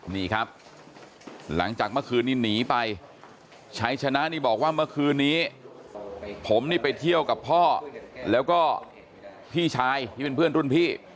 นี่ครับหลังจากเมื่อคืนนี้หนีไปชัยชนะนี่บอกว่าเมื่อคืนนี้ผมนี่ไปเที่ยวกับพ่อแล้วก็พี่ชายที่เป็นเพื่อนรุ่นพี่